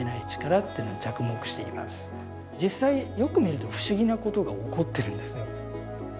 実際によく見ると不思議な事が起こっているんですよ。